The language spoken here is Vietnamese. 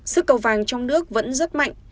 sức cầu vàng trong nước vẫn rất mạnh